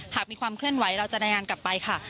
หากมีความเคลื่อนไหวเราจะรายงานกลับไปค่ะ